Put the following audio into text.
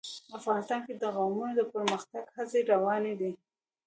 افغانستان کې د قومونه د پرمختګ هڅې روانې دي.